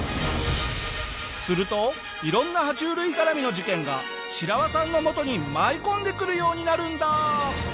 するといろんな爬虫類絡みの事件がシラワさんのもとに舞い込んでくるようになるんだ！